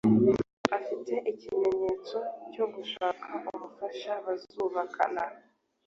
afata ikemezo cyo gushaka umufasha bazubakana